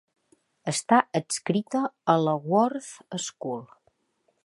Està adscrita a la Worth School.